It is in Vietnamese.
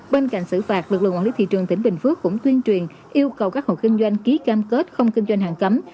bên cạnh xử phạt lực lượng quản lý thị trường tỉnh bình phước cũng tuyên truyền yêu cầu các hộ kinh doanh ký cam kết không kinh doanh hàng cấm